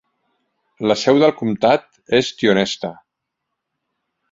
La seu del comtat és Tionesta.